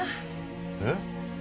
えっ？